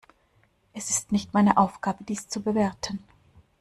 Es ist nicht meine Aufgabe, dies zu bewerten.